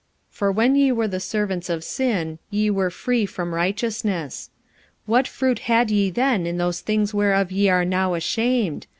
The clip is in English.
45:006:020 For when ye were the servants of sin, ye were free from righteousness. 45:006:021 What fruit had ye then in those things whereof ye are now ashamed?